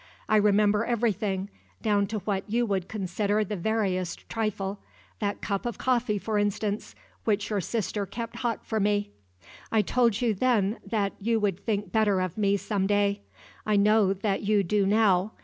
I remember everything, down to what you would consider the veriest trifle that cup of coffee, for instance, which your sister kept hot for me. I told you then that you would think better of me some day. I know that you do now.